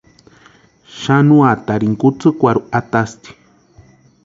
Xanuatarini kutsïkwarhu atasti.